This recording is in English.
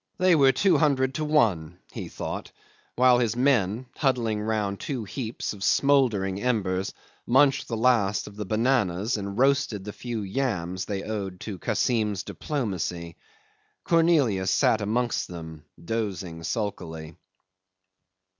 They were two hundred to one he thought, while his men, huddling round two heaps of smouldering embers, munched the last of the bananas and roasted the few yams they owed to Kassim's diplomacy. Cornelius sat amongst them dozing sulkily.